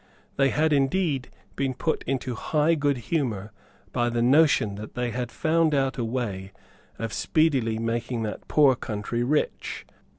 They had indeed been put into high good humour by the notion that they had found out a way of speedily making that poor country rich.